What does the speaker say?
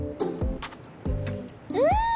うん！